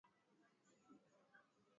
Anampenda mama yake.